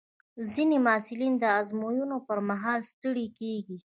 ځینې محصلین د ازموینو پر مهال ستړي کېږي.